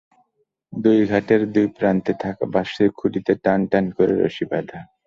দুই ঘাটের দুই প্রান্তে থাকা বাঁশের খুঁটিতে টানটান করে রশি বাঁধা।